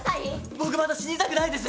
僕まだ死にたくないです。